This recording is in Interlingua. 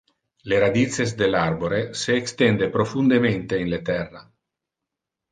Le radices del arbore se extende profundemente in le terra.